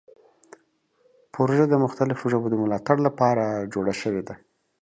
پروژه د مختلفو ژبو د ملاتړ لپاره جوړه شوې ده.